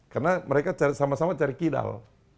karena mereka sama sama cari kidal